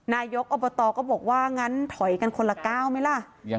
นายกอบตก็บอกว่างั้นถอยกันคนละก้าวไหมล่ะ